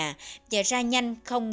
nhà ra nhanh không đến